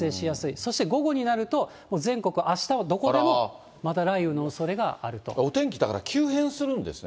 そして午後になると、全国あしたはどこでもまた雷雨のおそれがあお天気、だから急変するんですね。